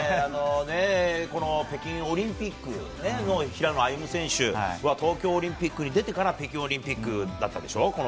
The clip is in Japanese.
この北京オリンピック平野歩夢選手は東京オリンピックに出てから北京オリンピックだったでしょ。